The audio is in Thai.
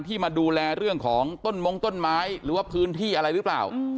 มาดูแลเรื่องของต้นมงต้นไม้หรือว่าพื้นที่อะไรหรือเปล่า